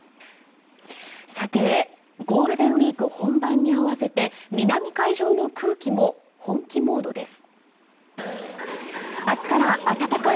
ゴールデンウィーク本番に合わせて南海上の空気も本気モードです。